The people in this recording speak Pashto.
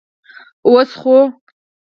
اوس خو.